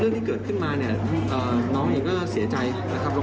เรื่องที่เกิดขึ้นมาน้องเองก็เสียใจ